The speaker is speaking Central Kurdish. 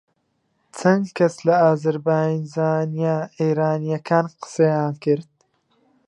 چەند کەس لە ئازەربایجانییە ئێرانییەکان قسەیان کرد